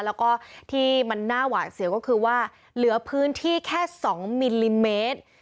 แล้วก็ที่มันน่าหวาดเสียวก็คือว่าเหลือพื้นที่แค่๒มิลลิเมตร